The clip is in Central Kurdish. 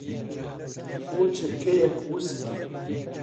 بۆ چرکەیەک وس بە.